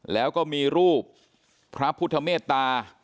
แล้วก็มีรูปพระพุทธเมตตา